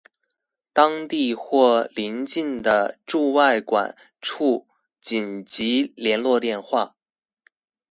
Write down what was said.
當地或鄰近的駐外館處緊急聯絡電話